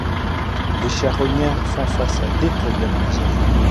Les charognards font face à deux problèmes majeurs.